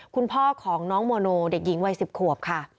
คุณพ่อของน้องโมโนเด็กหญิงวัย๑๐ขวบค่ะ